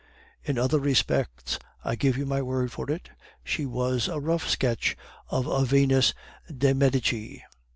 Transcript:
In other respects I give you my word for it she was a rough sketch of a Venus dei Medici.